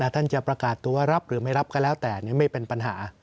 ท่านจะประกาศตัวรับหรือไม่รับก็แล้วแต่ไม่เป็นปัญหา